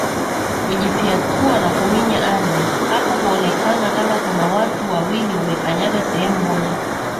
Hujifyatua na kuminya ardhi hapo huonekana kama kuna watu wawili wamekanyaga sehemu moja